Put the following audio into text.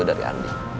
itu dari andi